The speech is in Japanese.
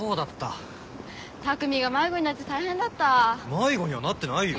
迷子にはなってないよ！